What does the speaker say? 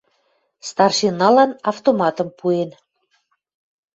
Старшиналан автоматым пуэн